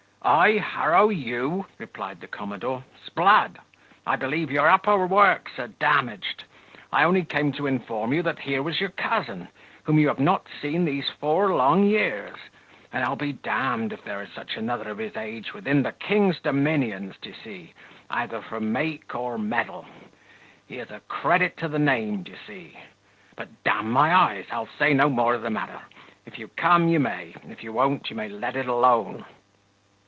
"I harrow you!" replied the commodore: "'sblood! I believe your upper works are damaged: I only came to inform you that here was your cousin, whom you have not seen these four long years; and I'll be d d if there is such another of his age within the king's dominions, d'ye see, either for make or mettle: he's a credit to the name, d'ye see: but, d my eyes, I'll say no more of the matter: if you come, you may; if you won't, you may let it alone."